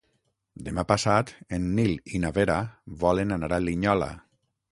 Demà passat en Nil i na Vera volen anar a Linyola.